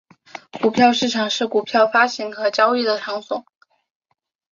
股票市场是股票发行和交易的场所。